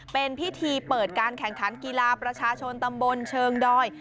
เป็นพิธีเปิดการแข่งขันกีฬาประชาชนตำบลเชิงดอย